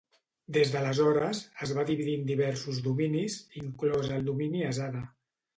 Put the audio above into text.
Des d'aleshores, es va dividir en diversos dominis, inclòs el domini Asada.